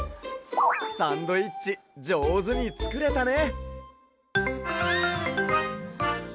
サンドイッチじょうずにつくれたね。